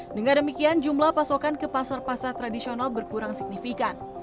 dengan demikian jumlah pasokan ke pasar pasar tradisional berkurang signifikan